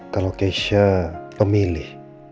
kalau keisha pemilih